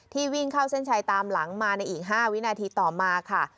วิ่งเข้าเส้นชัยตามหลังมาในอีก๕วินาทีต่อมาค่ะ